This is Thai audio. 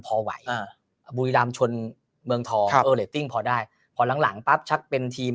พอไหวบุรีรามชนเมืองท้อพอได้พอหลังปั๊บชักเป็นทีม